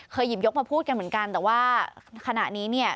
หยิบยกมาพูดกันเหมือนกันแต่ว่าขณะนี้เนี่ย